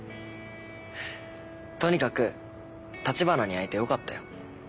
とにかく橘に会えてよかったよ。